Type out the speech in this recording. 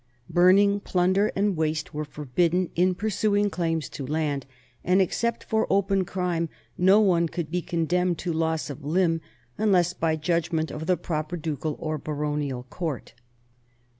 Burning, plunder, and waste were forbidden in pursuing claims to land, and except for open crime, no one could be condemned to loss of limb unless by judgment of the proper ducal or baro nial court.